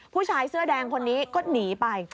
ผู้ชายเสื้อแดงคนนี้ก็หนีไป